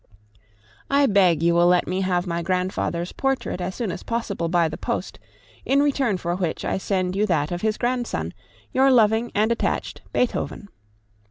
I beg you will let me have my grandfather's portrait as soon as possible by the post, in return for which I send you that of his grandson, your loving and attached Beethoven.